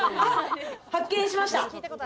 発見しました。